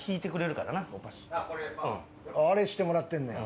あれしてもらってんねや。